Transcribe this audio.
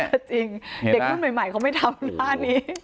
เด็กรุ่นใหม่เขาไม่ทำหน้านี้